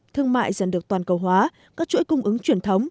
thương mại dần được toàn cầu hóa các chuỗi cung ứng truyền thống